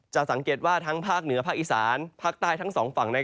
จะสังเกตว่าทั้งภาคเหนือฝั่งอีสานฝั่งธรรมชาติทั้ง๒ฝั่ง